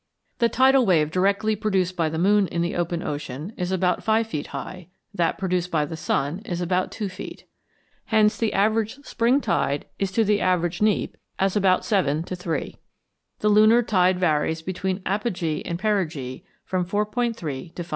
The tidal wave directly produced by the moon in the open ocean is about 5 feet high, that produced by the sun is about 2 feet. Hence the average spring tide is to the average neap as about 7 to 3. The lunar tide varies between apogee and perigee from 4·3 to 5·9.